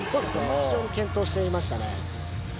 非常に健闘していましたね。